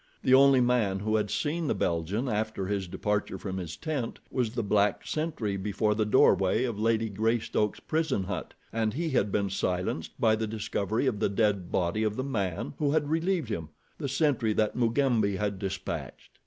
The only man who had seen the Belgian after his departure from his tent was the black sentry before the doorway of Lady Greystoke's prison hut, and he had been silenced by the discovery of the dead body of the man who had relieved him, the sentry that Mugambi had dispatched.